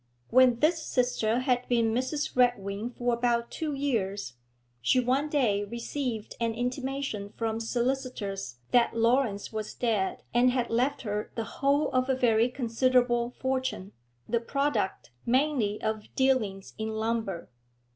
When this sister had been Mrs. Redwing for about two years, she one day received an intimation from solicitors that Laurence was dead and had left her the whole of a very considerable fortune, the product, mainly, of dealings in lumber.